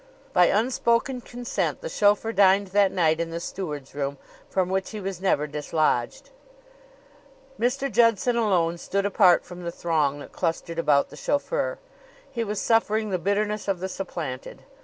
By unspoken consent the chauffeur dined that night in the steward's room, from which he was never dislodged. Mr. Judson alone stood apart from the throng that clustered about the chauffeur. He was suffering the bitterness of the supplanted.